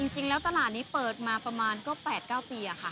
จริงแล้วตลาดนี้เปิดมาประมาณก็๘๙ปีอะค่ะ